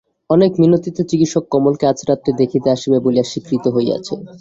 অনেক মিনতিতে চিকিৎসক কমলকে আজ রাত্রে দেখিতে আসিবে বলিয়া স্বীকৃত হইয়াছে।